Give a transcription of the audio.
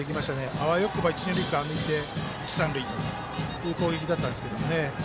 あわよくば、一、二塁間を抜いて一、三塁という攻撃だったんですけどもね。